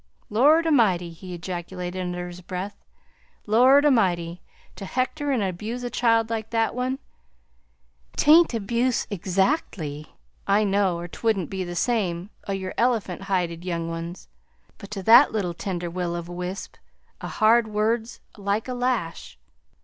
"Lord A'mighty!" he ejaculated under his breath, "Lord A'mighty! to hector and abuse a child like that one! 'T ain't ABUSE exactly, I know, or 't wouldn't be to some o' your elephant hided young ones; but to that little tender will o' the wisp a hard word 's like a lash.